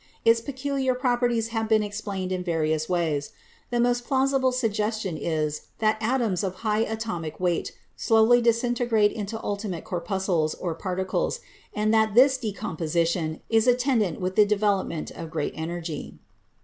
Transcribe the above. Its peculiar properties have been explained in various ways. The most plausible suggestion is that atoms of high atomic weight slowly disintegrate into ultimate corpuscles or particles, and that this decomposition is attended with the devolopment of great energy.